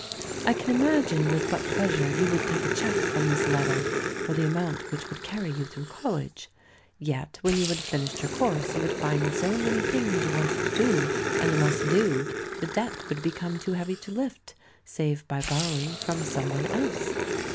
I can imagine with what pleasure you would take a cheque from this letter, for the amount which would carry you through college. Yet when you had finished your course, you would find so many things you wanted to do, and must do, the debt would become too heavy to lift, save by borrowing from some one else.